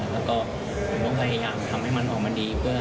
และก็ต้องพยายามทำให้มันออกมาได้